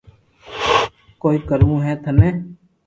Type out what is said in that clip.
ڪوئي ڪروہ ھي ٿني